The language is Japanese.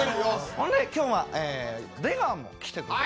ほんで今日は出川も来てくれてる。